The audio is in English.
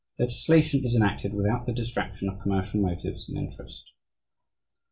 Legislation is enacted without the distraction of commercial motives and interest....